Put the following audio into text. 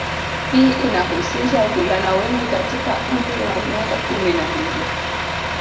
Hii inahusisha wavulana wengi kati ya umri wa miaka kumi na mbili